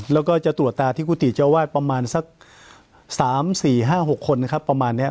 แล้วก็จะตรวจตาที่กุฏิเจ้าวาดประมาณสัก๓๔๕๖คนนะครับประมาณนี้